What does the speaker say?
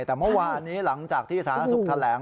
แต่เมื่อวานนี้หลังจากที่สาธารณสุขแถลง